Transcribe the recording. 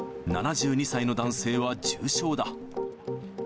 ７２歳の男性は重症だ。